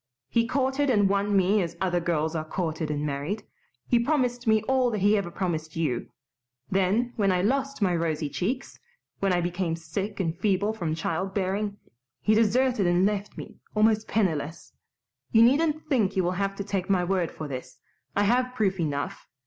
He courted and won me as other girls are courted and married. He promised me all that he ever promised you. Then, when I lost my rosy cheeks when I became sick and feeble from child bearing he deserted and left me almost penniless. You needn't think you will have to take my word for this. I have proof enough.